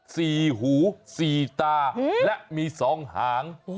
สี่หูสี่ตาและมีสองหาง